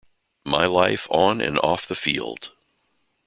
My Life On and Off the Field.